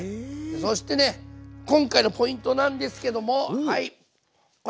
そしてね今回のポイントなんですけどもはいこれ！